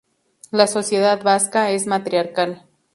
La sociedad vasca es matriarcal.